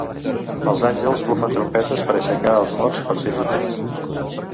Els àngels bufen trompetes per aixecar els morts per ser jutjats.